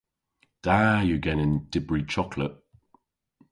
Da yw genen dybri choklet.